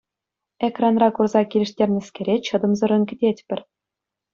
Экранра курса килӗштернӗскере чӑтӑмсӑррӑн кӗтетпӗр.